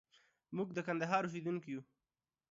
موږ د کندهار اوسېدونکي يو.